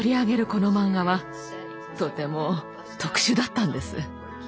このマンガはとても特殊だったんです。